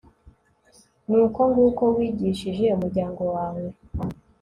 ni uko nguko wigishije umuryango wawe